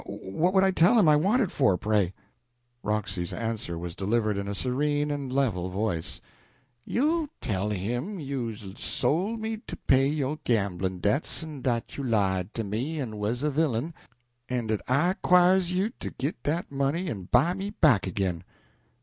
What would I tell him I want with it, pray?" Roxy's answer was delivered in a serene and level voice "You'll tell him you's sole me to pay yo' gamblin' debts en dat you lied to me en was a villain, en dat I 'quires you to git dat money en buy me back ag'in."